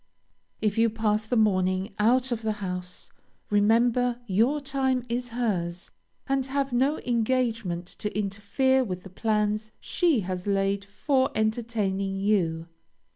If you pass the morning out of the house, remember your time is hers, and have no engagement to interfere with the plans she has laid for entertaining you.